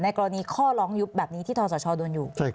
กรณีข้อร้องยุบแบบนี้ที่ทศชโดนอยู่